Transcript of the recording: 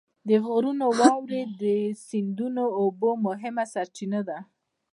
د غرونو واورې د سیندونو د اوبو مهمه سرچینه ده.